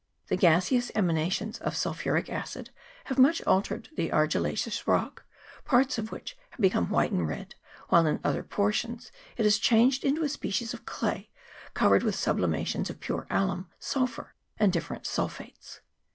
The gaseous emanations of sulphuric acid have much altered the argillaceous rock, parts of which have become white and red, while in other portions it has changed into a species of clay, covered with sublimations of pure alum, sulphur, and different sulphates.